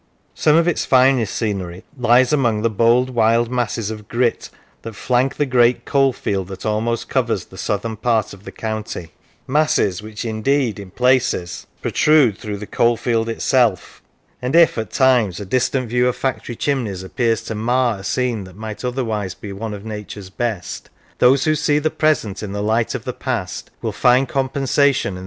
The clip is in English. Some of its finest scenery lies among the bold, wild masses of grit that flank the great coalfield that almost covers the southern part of the county masses which indeed, in places, pro 18 Beauty Spots of Industrial Districts trade through the coalfield itself; and if, at times, a distant view of factory chimneys appears to mar a scene that might otherwise be one of Nature's best, those who see the present in the light of the past will find compensation in.